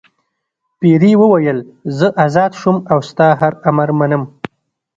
پیري وویل زه آزاد شوم او ستا هر امر منم.